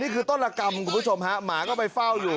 คุณผู้ชมหมาก็ไปเฝ้าอยู่